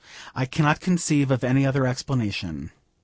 I cannot conceive of any other explanation.